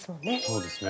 そうですね。